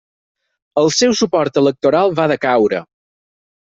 El seu suport electoral va decaure.